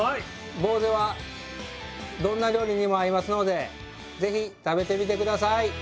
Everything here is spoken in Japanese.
ぼうぜはどんな料理にも合いますのでぜひ食べてみて下さい！